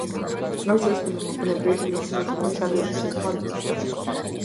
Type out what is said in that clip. ეროზია არის ბუნებრივი პროცესი, ნიადაგის ან დედამიწის ზედაპირის სხვა ნაწილების დაშლა